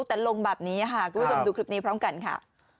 แต่ลงแบบนี้ค่ะคุณผู้ชมดูคลิปนี้พร้อมกันค่ะ